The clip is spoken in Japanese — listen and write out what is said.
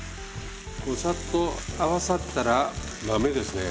さっと合わさったら豆ですね。